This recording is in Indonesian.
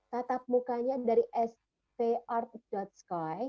tetap mukanya dari str sky